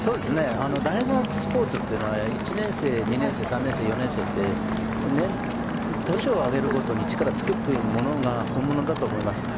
大学スポーツっていうのは１年生、２年生３年生、４年生って年を上げるごとに力をつけてくるものが本物だと思います。